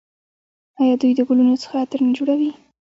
آیا دوی د ګلونو څخه عطر نه جوړوي؟